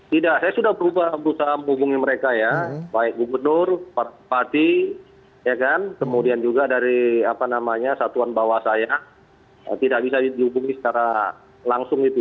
tidak saya sudah berubah berusaha menghubungi mereka ya baik gubernur parti ya kan kemudian juga dari apa namanya satuan bawah saya tidak bisa dihubungi secara langsung gitu ya